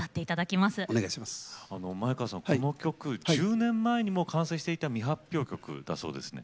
この曲１０年前にもう完成していた未発表曲だそうですね。